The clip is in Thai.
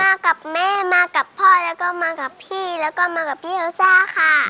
มากับแม่มากับพ่อแล้วก็มากับพี่แล้วก็มากับพี่โอซ่าค่ะ